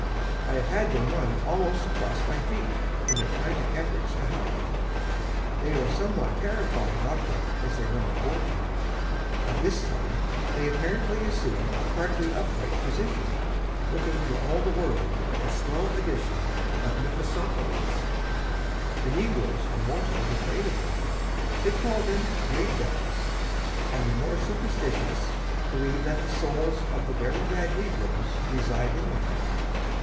I have had them run almost across my feet in their frantic efforts to hide. They are a somewhat terrifying object as they run toward you. At this time they apparently assume a partly upright position, looking for all the world like a small edition of Mephistopheles. The negroes are mortally afraid of them. They call them 'Glade Devils,' and the more superstitious believe that the souls of the very bad negroes reside in them.